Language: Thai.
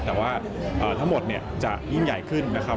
แต่ว่าทั้งหมดเนี่ยจะยิ่งใหญ่ขึ้นนะครับ